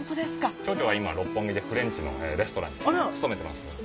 長女は今六本木でフレンチのレストランに勤めてます。